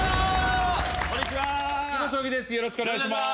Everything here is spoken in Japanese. よろしくお願いします。